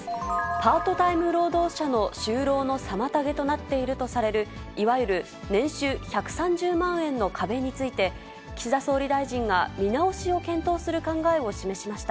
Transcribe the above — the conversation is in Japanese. パートタイム労働者の就労の妨げとなっているとされるいわゆる年収１３０万円の壁について、岸田総理大臣が見直しを検討する考えを示しました。